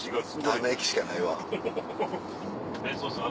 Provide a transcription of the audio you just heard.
ため息しかないわ。